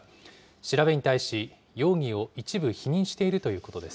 調べに対し、容疑を一部否認しているということです。